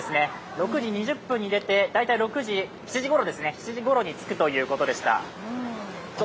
６時２０分に出て大体７時ごろに着くということでした。